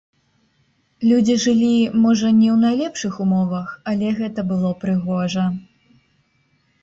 Людзі жылі, можа не ў найлепшых умовах, але гэта было прыгожа.